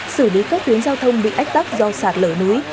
xử lý các tuyến giao thông bị ách tắc do sạt lở núi